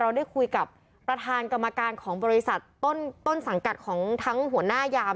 ได้คุยกับประธานกรรมการของบริษัทต้นสังกัดของทั้งหัวหน้ายาม